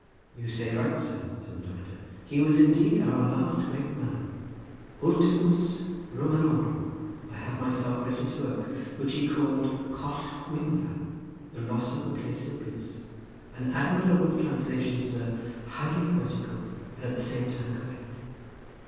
"You say right, sir," said the doctor. "He was indeed our last great man—Ultimus Romanorum. I have myself read his work, which he called 'Coll Gwynfa,' the 'Loss of the Place of Bliss'—an admirable translation, sir; highly poetical, and at the same time correct."